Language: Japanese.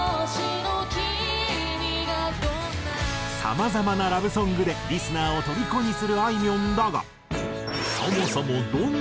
さまざまなラブソングでリスナーをとりこにするあいみょんだがそもそもどんなラブソングを聴いてきたのか？